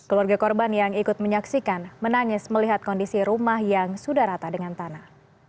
keluarga korban yang ikut menyaksikan menangis melihat kondisi rumah yang sudah rata dengan tanah